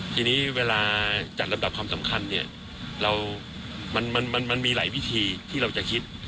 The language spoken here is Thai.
ทีนี้เวลาจัดลำดับความสำคัญเนี่ยมันมีหลายวิธีที่เราจะคิด